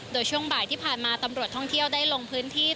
โดยช่วงบ่ายที่ผ่านมาตำรวจท่องเที่ยวได้ลงพื้นที่